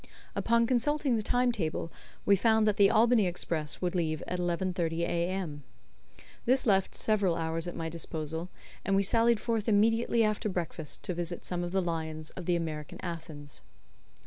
Upon consulting the time table, we found that the Albany express would leave at 11.30 a.m. This left several hours at my disposal, and we sallied forth immediately after breakfast to visit some of the lions of the American Athens.